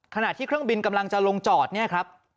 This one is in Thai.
ขณะที่เครื่องบินกำลังจะลงจอดเนี่ยครับ